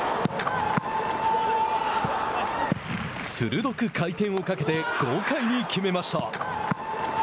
鋭く回転をかけて豪快に決めました。